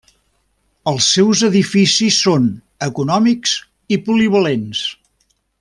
Els seus edificis són econòmics i polivalents.